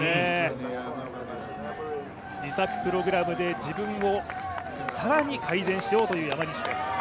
自作プログラムで自分を更に改善しようという山西です。